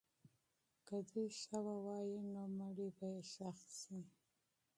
که دوی ښه ووایي، نو مړی به یې ښخ سي.